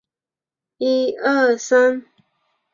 威灵顿是位于英格兰索美塞特郡的一个城市。